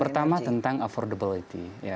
pertama tentang affordability